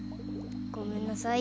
ごめんなさい。